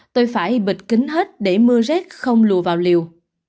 tôi phải bịt kính hết để mưa rét không lùa vào liều